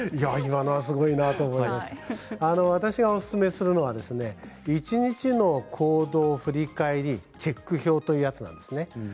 私のおすすめするのは一日の行動振り返りチェック法というものなんです。